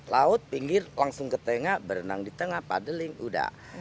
laut pinggir langsung ke tengah berenang di tengah padeling udah